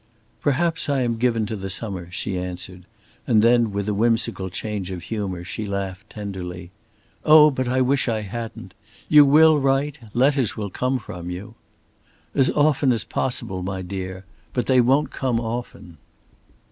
"Perhaps I am given to the summer," she answered, and then, with a whimsical change of humor, she laughed tenderly. "Oh, but I wish I wasn't. You will write? Letters will come from you." "As often as possible, my dear. But they won't come often."